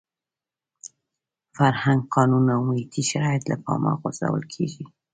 فرهنګ، قانون او محیطي شرایط له پامه غورځول کېږي.